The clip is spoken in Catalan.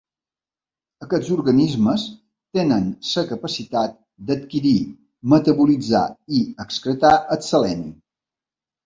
Aquests organismes tenen la capacitat d'adquirir, metabolitzar i excretar el seleni.